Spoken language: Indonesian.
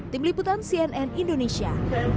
tim liputan cnn indonesia